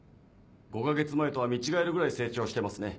５か月前とは見違えるぐらい成長してますね。